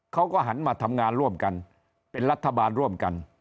เขาก็หันมาทำงานร่วมกันเป็นรัฐบาลร่วมกัน